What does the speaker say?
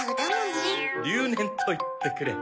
留年と言ってくれ。